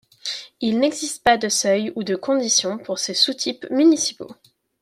Il n'existe pas de seuil ou de condition pour ces sous-types municipaux.